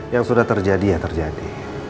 yang sudah terjadi ya terjadi